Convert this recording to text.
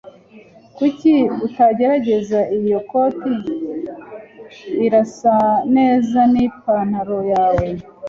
Kuki utagerageza iyi koti? Irasa neza nipantaro yawe.